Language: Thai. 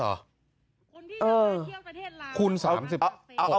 เออคูณ๓๐หรอ